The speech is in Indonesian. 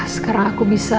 sekarang aku bisa